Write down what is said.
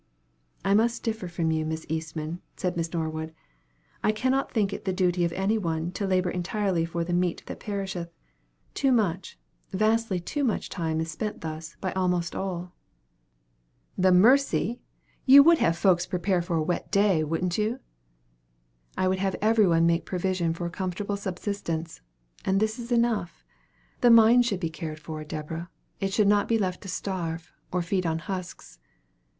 "I must differ from you, Miss Eastman," said Miss Norwood. "I cannot think it the duty of any one to labor entirely for the 'meat that perisheth.' Too much, vastly too much time is spent thus by almost all." "The mercy! you would have folks prepare for a wet day, wouldn't you?" "I would have every one make provision for a comfortable subsistence; and this is enough. The mind should be cared for, Deborah. It should not be left to starve, or feed on husks."